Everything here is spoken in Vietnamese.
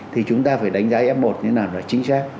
thì chúng ta phải đánh giá f một như thế nào là chính xác